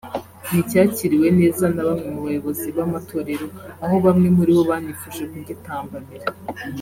nticyakiriwe neza na bamwe mu bayobozi b’amatorero aho bamwe muri bo banifuje kugitambamira